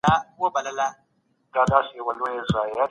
ایا ته د غریبانو سره مرسته کول غواړې؟